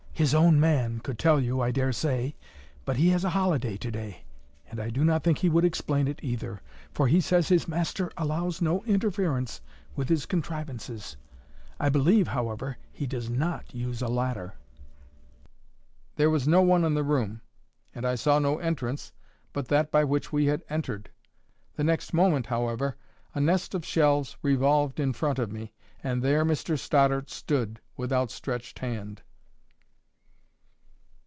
"His own man could tell you, I dare say. But he has a holiday to day; and I do not think he would explain it either; for he says his master allows no interference with his contrivances. I believe, however, he does not use a ladder." There was no one in the room, and I saw no entrance but that by which we had entered. The next moment, however, a nest of shelves revolved in front of me, and there Mr Stoddart stood with outstretched hand.